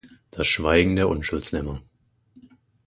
Das Schweigen der Unschuldslämmer.